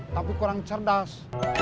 tapi kurang cerdas